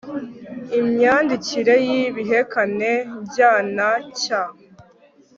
imyandikire y'ibihekane (n)jy na (n)cy